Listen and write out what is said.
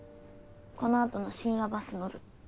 このあとの深夜バス乗る。